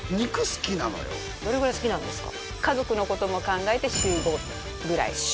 どれぐらい好きなんですか？